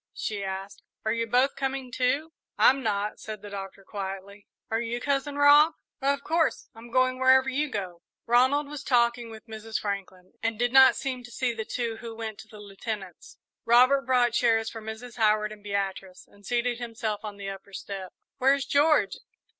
she asked; "are you both coming, too?" "I'm not," said the Doctor, quietly. "Are you, Cousin Rob?" "Of course I'm going wherever you do." Ronald was talking with Mrs. Franklin, and did not seem to see the two who went to the Lieutenant's. Robert brought chairs for Mrs. Howard and Beatrice and seated himself on the upper step. "Where's George?"